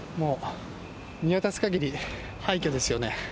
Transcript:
見渡す限り廃虚ですよね。